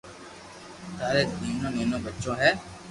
ٿاري نينو نينو ٻچو ھي